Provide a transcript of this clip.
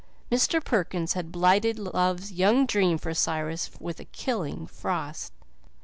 Mr. Perkins had blighted love's young dream for Cyrus with a killing frost.